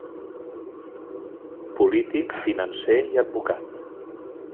Polític, financer i advocat.